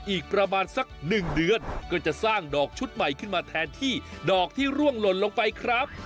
อีกประมาณสัก๑เดือนก็จะสร้างดอกชุดใหม่ขึ้นมาแทนที่ดอกที่ร่วงหล่นลงไปครับ